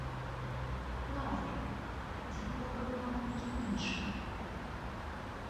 Лазара, ці гаворка была аб некім іншым.